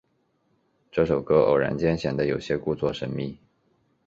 这首歌偶然间显得有些故作神秘。